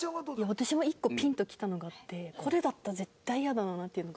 私も１個ピンときたのがあってこれだったら絶対イヤだなっていうのが。